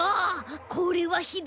これはひどい！